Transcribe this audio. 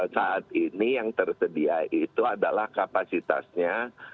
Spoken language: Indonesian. saat ini yang tersedia itu adalah kapasitasnya